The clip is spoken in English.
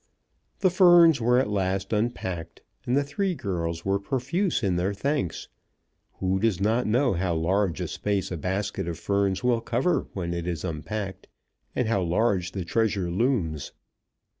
The ferns were at last unpacked, and the three girls were profuse in their thanks. Who does not know how large a space a basket of ferns will cover when it is unpacked and how large the treasure looms.